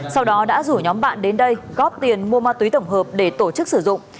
sau đó đã rủ nhóm bạn đến đây góp tiền mua ma túy tổng hợp để tổ chức sử dụng